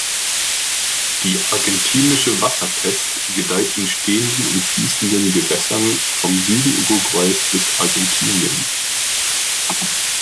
Die Argentinische Wasserpest gedeiht in stehenden und fließenden Gewässern vom Süden Uruguays bis Argentinien.